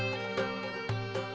satu rombongan dengan kita